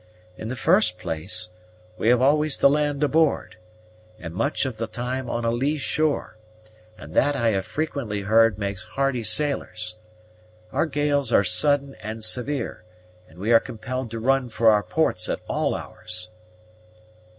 In the first place, we have always the land aboard, and much of the time on a lee shore, and that I have frequently heard makes hardy sailors. Our gales are sudden and severe, and we are compelled to run for our ports at all hours."